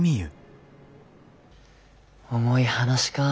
重い話かぁ。